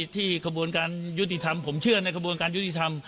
กระบวนการยุติธรรมผมเชื่อในกระบวนการยุติธรรม